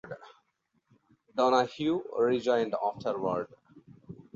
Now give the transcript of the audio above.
Donahue rejoined afterward.